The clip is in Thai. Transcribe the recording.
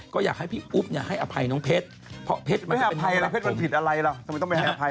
ทำไมต้องไปให้อภัยมาแล้ว